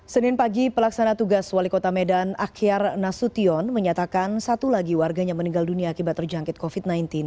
senin pagi pelaksana tugas wali kota medan akyar nasution menyatakan satu lagi warganya meninggal dunia akibat terjangkit covid sembilan belas